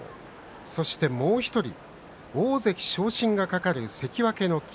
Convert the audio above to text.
そして、もう１人大関昇進が懸かる関脇の霧